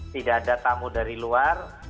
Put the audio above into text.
tidak ada tamu dari luar